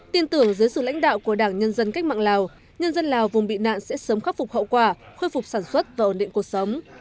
tin tưởng dưới sự lãnh đạo của đảng nhân dân cách mạng lào nhân dân lào vùng bị nạn sẽ sớm khắc phục hậu quả khôi phục sản xuất và ổn định cuộc sống